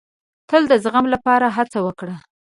تل د زغم لپاره هڅه وکړئ.